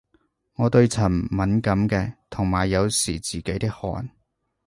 我對塵敏感嘅，同埋有時自己啲汗